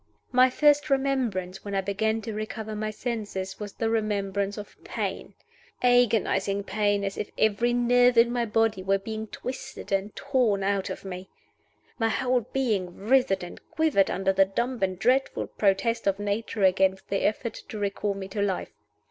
My first remembrance when I began to recover my senses was the remembrance of Pain agonizing pain, as if every nerve in my body were being twisted and torn out of me. My whole being writhed and quivered under the dumb and dreadful protest of Nature against the effort to recall me to life.